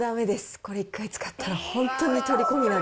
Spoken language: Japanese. これ、一回使ったら本当にとりこになる。